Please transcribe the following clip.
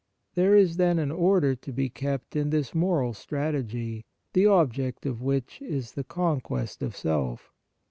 There is then an order to be kept in this moral strategy, the object of which is the conquest of self.